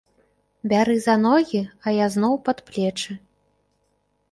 Бяры за ногі, а я зноў пад плечы.